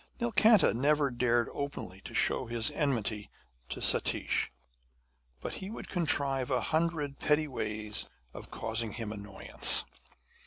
Nilkanta never dared openly to show his enmity to Satish. But he would contrive a hundred petty ways of causing him annoyance.